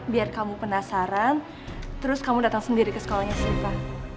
biar kamu penasaran terus kamu datang sendiri ke sekolahnya suka